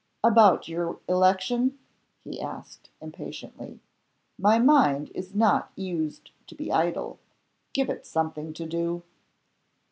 "About your election?" he asked, impatiently. "My mind is not used to be idle. Give it something to do."